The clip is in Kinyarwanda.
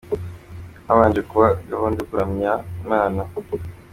Habanje kuba gahunda yo kuramya Imana.